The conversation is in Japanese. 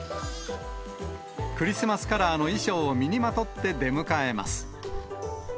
クリスマスカラーの衣装を身にまとって出迎えます。